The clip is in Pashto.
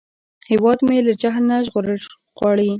هیواد مې له جهل نه ژغورل غواړي